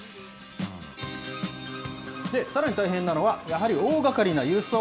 さらに大変なのは、やはり、大がかりな輸送。